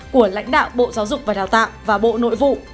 của lãnh đạo bộ giáo dục và đào tạo và bộ nội vụ